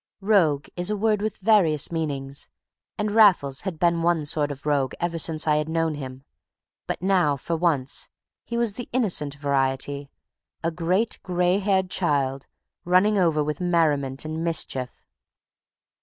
Rogue is a word with various meanings, and Raffles had been one sort of rogue ever since I had known him; but now, for once, he was the innocent variety, a great gray haired child, running over with merriment and mischief.